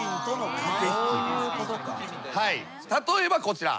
例えばこちら。